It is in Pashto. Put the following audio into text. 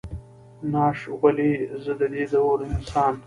ناش ولئ، زه ددې دور انسان.